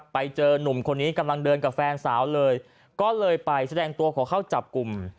ไปเจอนุ่มคนนี้กำลังเดินกับแฟนสาวเลยก็เลยไปแสดงตัวขอเข้าจับกลุ่ม